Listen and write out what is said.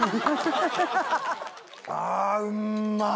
あうんまっ！